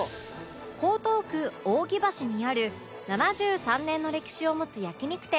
江東区扇橋にある７３年の歴史を持つ焼き肉店